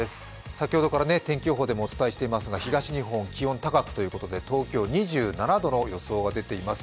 先ほどから天気予報でもお伝えしていますが東日本、気温高くということで東京２７度の予想が出ています。